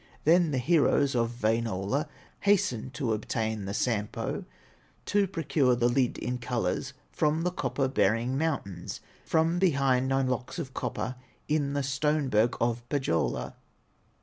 Then the heroes of Wainola Hasten to obtain the Sampo, To procure the lid in colors From the copper bearing mountains. From behind nine locks of copper, In the stone berg of Pohyola.